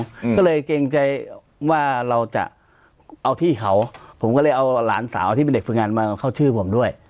อืมก็เลยเกรงใจว่าเราจะเอาที่เขาผมก็เลยเอาหลานสาวที่เป็นเด็กฝึกงานมาเข้าชื่อผมด้วย